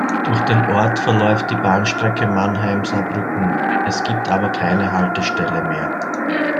Durch den Ort verläuft die Bahnstrecke Mannheim–Saarbrücken; es gibt aber keine Haltestelle mehr.